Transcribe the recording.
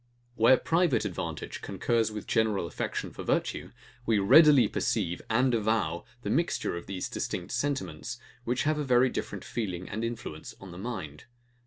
Where private advantage concurs with general affection for virtue, we readily perceive and avow the mixture of these distinct sentiments, which have a very different feeling and influence on the mind.